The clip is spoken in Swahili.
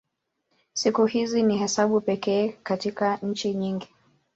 Siku hizi ni hesabu pekee katika nchi nyingi.